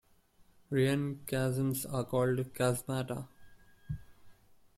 Rhean chasms are called chasmata.